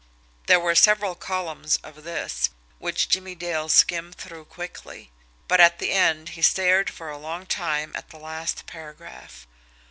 There were several columns of this, which Jimmie Dale skimmed through quickly; but at the end he stared for a long time at the last paragraph.